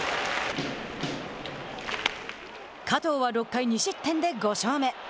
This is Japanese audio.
加藤は６回２失点で５勝目。